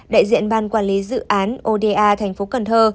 đại diện ban quản lý dự án oda tp cn